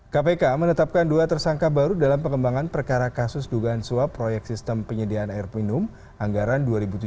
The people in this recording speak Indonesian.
kpk menetapkan dua tersangka baru dalam pengembangan perkara kasus dugaan suap proyek sistem penyediaan air minum anggaran dua ribu tujuh belas